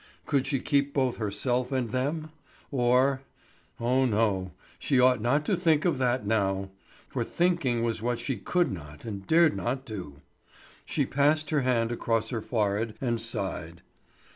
Could she keep both herself and them? Or Oh no, she ought not to think of that now; for thinking was what she could not and dared not do. She passed her hand across her forehead and sighed.